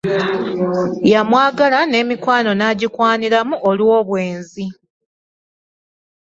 Yamwagala n'emikwano nagikwaniramu olw'obwenzi